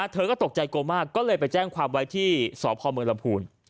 เธอก็ตกใจกลัวมากก็เลยไปแจ้งความไว้ที่สพเมืองลำพูน